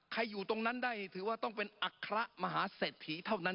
อยู่ตรงนั้นได้ถือว่าต้องเป็นอัคระมหาเศรษฐีเท่านั้น